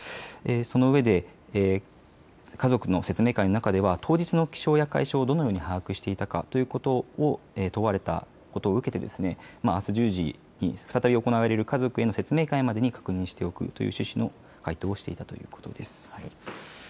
そのうえで家族の説明会の中では当日の気象や海象をどのように把握していたかということを問われたことを受けてあす１０時再び行われる家族への説明会までに調べておくという説明をしたということです。